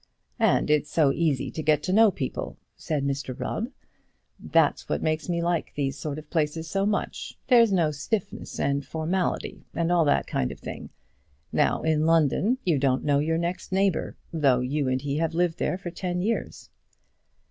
"And it's so easy to get to know people," said Mr Rubb. "That's what makes me like these sort of places so much. There's no stiffness and formality, and all that kind of thing. Now in London, you don't know your next neighbour, though you and he have lived there for ten years."